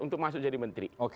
untuk masuk jadi menteri